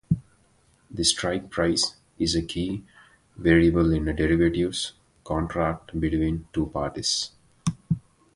The strike price is a key variable in a derivatives contract between two parties.